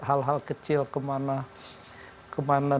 hal hal kecil kemana